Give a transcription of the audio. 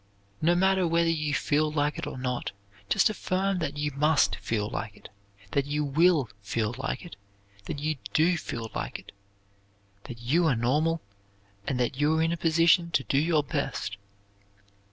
No matter whether you feel like it or not, just affirm that you must feel like it, that you will feel like it, that you do feel like it, that you are normal and that you are in a position to do your best.